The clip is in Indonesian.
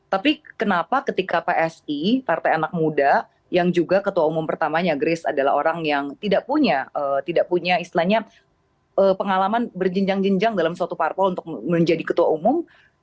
tapi kenapa ketika psi partai anak muda yang juga ketua umum pertamanya grace adalah orang yang tidak punya istilahnya pengalaman berjinjang jenjang dalam suatu parpol untuk menjadi ketua umum